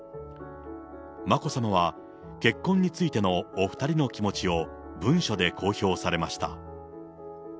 眞子さまは、結婚についてのお２人の気持ちを文書で公表されました。